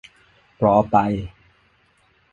รอไป